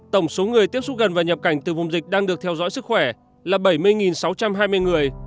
tổng số người tiếp xúc gần và nhập cảnh từ vùng dịch đang được theo dõi sức khỏe là bảy mươi sáu trăm hai mươi người